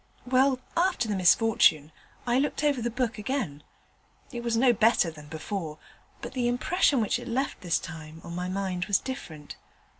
Well, after the misfortune, I looked over the book again. It was no better than before, but the impression which it left this time on my mind was different.